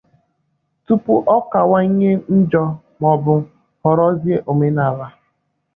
tupu ọ kawanye njọ maọbụ ghọrọzie omenala.